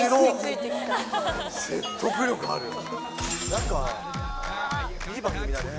何かいい番組だね。